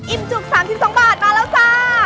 จุก๓๒บาทมาแล้วจ้า